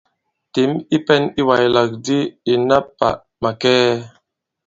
Těm i pɛ̄n i wàslàk di ìna pà màkɛɛ!